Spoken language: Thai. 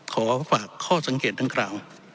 ขอฝากข้อสังเกตดังกล่าว